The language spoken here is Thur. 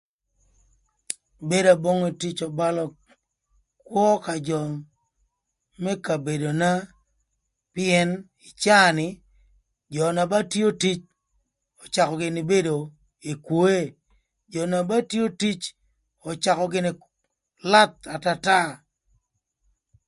Bedo abonge tic öbalö kwö ka jö më kabedona pïën ï caa ni jö na ba tio tic öcakö gïnï bedo ekwoe, jö na ba tio tic öcakö gïnï lath a tata.